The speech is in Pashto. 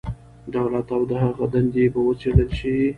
دولت او د هغه دندې به وڅېړل شي.